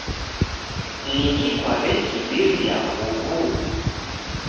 Niki kwaw'ekimbiria uw'u?